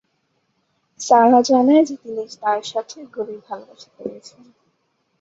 সারা জানায় যে তিনি তার সাথে গভীর ভালবাসা করছেন।